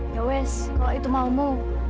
ya wes kalau itu maumu